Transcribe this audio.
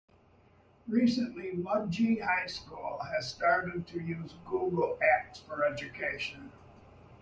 Recently Mudgee High School has started to use Google Apps for Education.